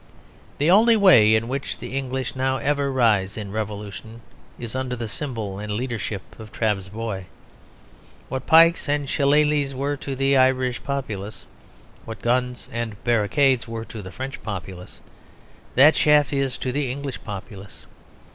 The only way in which the English now ever rise in revolution is under the symbol and leadership of Trabb's boy. What pikes and shillelahs were to the Irish populace, what guns and barricades were to the French populace, that chaff is to the English populace.